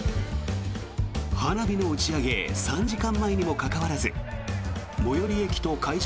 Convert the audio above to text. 花火の打ち上げ３時間前にもかかわらず最寄り駅と会場